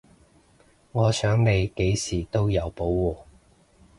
我想你幾時都有保護